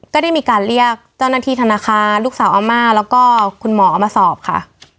ก็ได้มีการเรียกเจ้าหน้าที่ธนาคารลูกสาวอาม่าแล้วก็คุณหมอมาสอบค่ะ